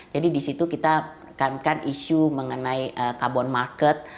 jadi di situ kita mengadakan isu mengenai carbon market